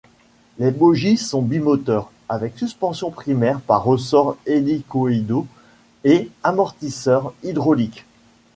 Les bogies sont bimoteurs, avec suspension primaire par ressorts hélicoïdaux et amortisseurs hydrauliques.